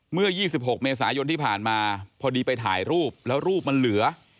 เมื่อ๒๖เมษายนที่ผ่านมาพอดีไปถ่ายรูปแล้วรูปมันเหลือ